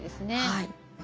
はい。